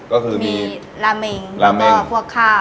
ก็คือมีราเมงแล้วก็พวกข้าว